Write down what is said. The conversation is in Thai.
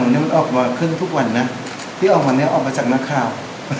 คือประเด็นต่างมันออกมาขึ้นทุกวันนะที่ออกมาเนี่ยออกมาจากนักคราว